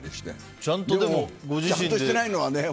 ちゃんとしてないのはね